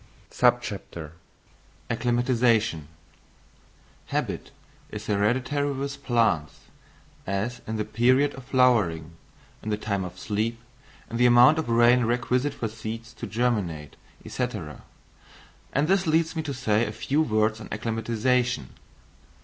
Acclimatisation. Habit is hereditary with plants, as in the period of flowering, in the time of sleep, in the amount of rain requisite for seeds to germinate, &c., and this leads me to say a few words on acclimatisation.